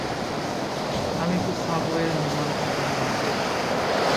আমি একটি সাবওয়ে নির্মাণ কোম্পানির নাম পেয়েছি।